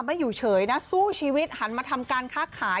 ไม่อยู่เฉยนะสู้ชีวิตหันมาทำการค้าขาย